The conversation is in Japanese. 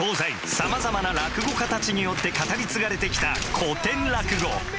さまざまな落語家たちによって語り継がれてきた古典落語。